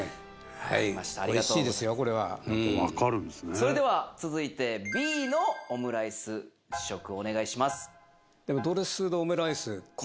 それでは続いてＢのオムライス試食をお願いします。